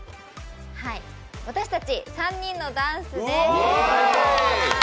私たち３人のダンスです。